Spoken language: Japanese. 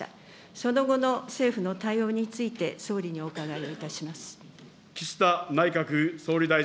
その後の政府の対応について、総理にお伺いをいたします。